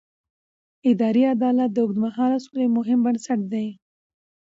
اداري عدالت د اوږدمهاله سولې مهم بنسټ دی